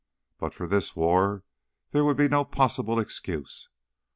But for this war there would be no possible excuse.